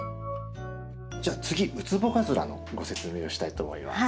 じゃあ次ウツボカズラのご説明をしたいと思います。